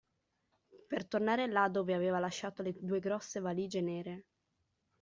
Per tornare là dove aveva lasciato le due grosse valige nere.